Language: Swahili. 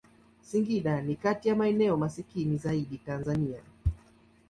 Singida ni kati ya maeneo maskini zaidi ya Tanzania.